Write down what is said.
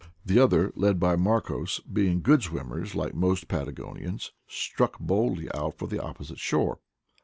The others, led by Marcos, being good swimmers like most of the Patagonians, struck boldly out for the opposite shore.